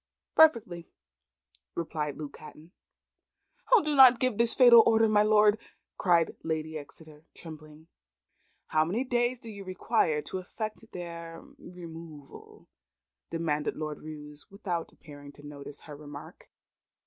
"Perfectly," replied Luke Hatton. "O, do not give this fatal order, my Lord!" cried Lady Exeter, trembling. "How many days do you require to effect their removal?" demanded Lord Roos, without appearing to notice her remark.